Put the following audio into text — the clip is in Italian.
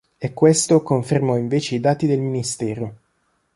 E questo confermò invece i dati del Ministero.